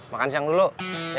makan siang dulu ya